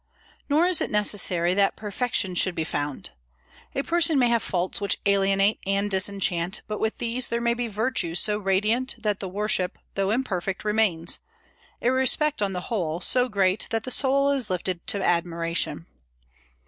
Nor is it necessary that perfection should be found. A person may have faults which alienate and disenchant, but with these there may be virtues so radiant that the worship, though imperfect, remains, a respect, on the whole, so great that the soul is lifted to admiration.